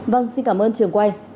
vâng xin cảm ơn trường quay